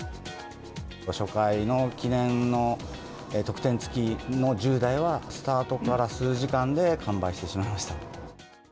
初回の記念の特典付きの１０台は、スタートから数時間で完売してしまいました。